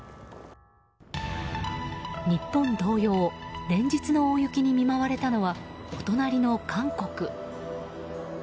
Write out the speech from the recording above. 日本同様連日の大雪に見舞われたのはお隣の韓国。